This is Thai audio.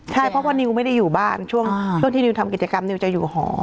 ใช่เพราะว่านิวไม่ได้อยู่บ้านช่วงที่นิวทำกิจกรรมนิวจะอยู่หอ